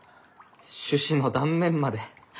種子の断面まで。